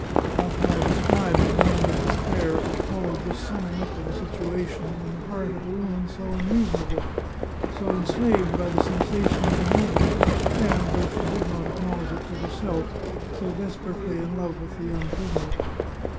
How can I describe the moment of despair which followed this sum ming up of the situation in the heart of a woman so unrea sonable, so enslaved by the sensation of the moment, and, though she did not acknowledge it to herself, so desperately in love with the young prisoner?